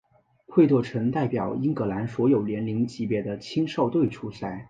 惠特曾代表英格兰所有年龄级别的青少队出赛。